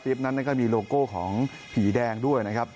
นั้นก็มีโลโก้ของผีแดงด้วยนะครับ